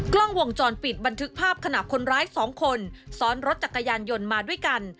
กล้องวงจรปิดบันทึกภาพขณะคนร้ายสองคนซ้อนรถจักรยานยนต์มาด้วยกัน